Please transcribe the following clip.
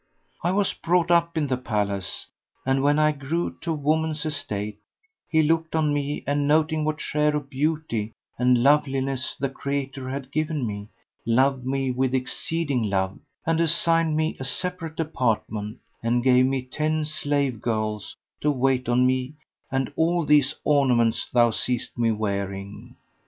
I was brought up in his palace and, when I grew to woman's estate, he looked on me and, noting what share of beauty and loveliness the Creator had given me, loved me with exceeding love, and assigned me a separate apartment, and gave me ten slave girls to wait on me and all these ornaments thou seest me wearing.